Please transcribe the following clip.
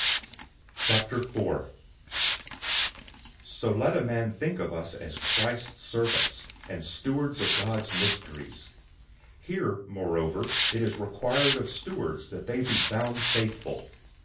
004:001 So let a man think of us as Christ's servants, and stewards of God's mysteries. 004:002 Here, moreover, it is required of stewards, that they be found faithful.